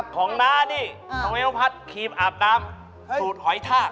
ของน้านี่ทะเวลภัษครีมอาบน้ำสูตรหอยทาก